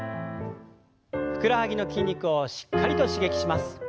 ふくらはぎの筋肉をしっかりと刺激します。